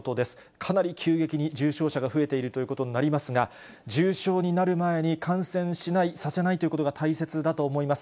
かなり急激に重症者が増えているということになりますが、重症になる前に、感染しない、させないということが大切だと思います。